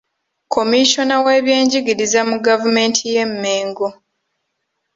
Commissioner w'Eby'enjigiriza mu Gavumenti y'e Mmengo.